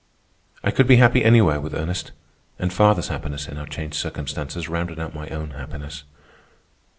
I could be happy anywhere with Ernest; and father's happiness in our changed circumstances rounded out my own happiness.